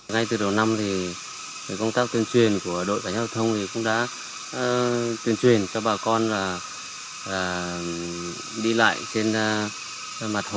ngay từ đầu năm thì công tác tuyên truyền của đội giải thông thì cũng đã tuyên truyền cho bà con là đi lại trên mặt hồ bằng cái bè mảng này thì là phải mặc áo phao